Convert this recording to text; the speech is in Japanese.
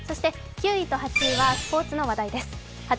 ９位と８位はスポーツの話題です。